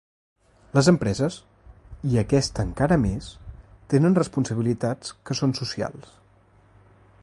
Les empreses, i aquesta encara més, tenen responsabilitats que són socials.